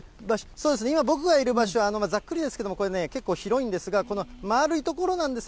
そうです、今僕がいる場所は、ざっくりですけども、これね、結構広いんですが、この丸い所なんです。